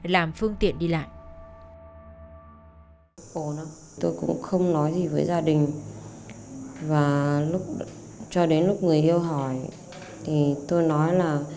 làm phương tiện đi lại